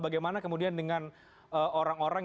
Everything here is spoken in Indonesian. bagaimana kemudian dengan orang orang